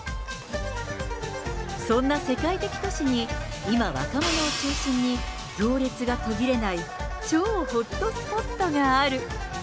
そんな世界的都市に今若者を中心に、行列が途切れない超ホットスポットがある。